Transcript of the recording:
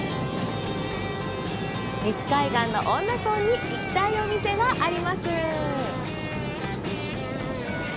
西海岸の恩納村に行きたいお店があります。